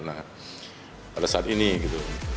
nah pada saat ini